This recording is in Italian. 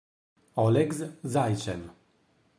Oleg Zajcev